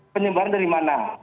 penyebaran dari mana